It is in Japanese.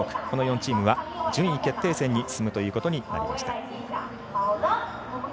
この４チームは順位決定戦に進むということになりました。